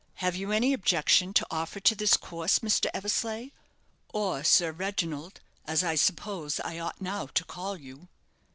Have you any objection to offer to this course, Mr. Eversleigh, or Sir Reginald, as I suppose I ought now to call you?"